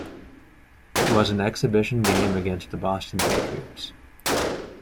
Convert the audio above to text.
It was an exhibition game against the Boston Patriots.